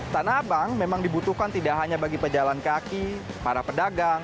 tanah abang memang dibutuhkan tidak hanya bagi pejalan kaki para pedagang